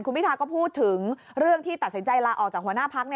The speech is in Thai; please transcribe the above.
คุณพิทาก็พูดถึงเรื่องที่ตัดสินใจลาออกจากหัวหน้าพัก